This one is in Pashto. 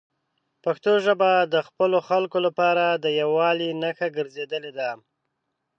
پښتو ژبه د خپلو خلکو لپاره د یووالي نښه ګرځېدلې ده.